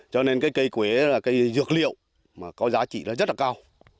cho nên cây quế là cây dược liệu mà có giá trị nó rất là cao